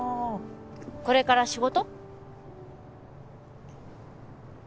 これから仕事？